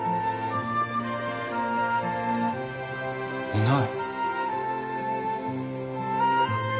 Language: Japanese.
いない。